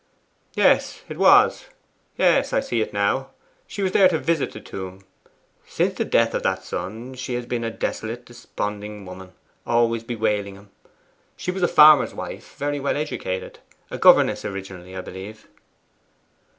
'Yes, it was. Yes, I see it now. She was there to visit the tomb. Since the death of that son she has been a desolate, desponding woman, always bewailing him. She was a farmer's wife, very well educated a governess originally, I believe.